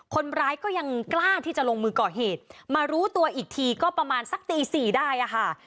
คนร้ายก็ยังกล้าที่จะลงมือก่อเหตุมารู้ตัวอีกทีก็ประมาณสักตีสี่ได้อะค่ะ